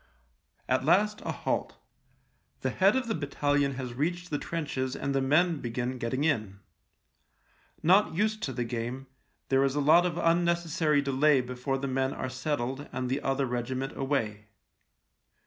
At last a halt. The head of the battalion has reached the trenches and the men begin getting in. Not used to the game, there is a lot of unnecessary delay before the men are settled and the other regiment away.